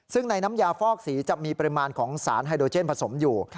ซึ่งในน้ำยาฟอกสีจะมีปริมาณของสารไฮโดเจนผสมอยู่